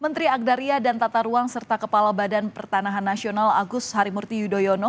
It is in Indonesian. menteri agraria dan tata ruang serta kepala badan pertanahan nasional agus harimurti yudhoyono